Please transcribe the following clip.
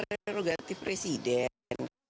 ini kan hak prerogatif presiden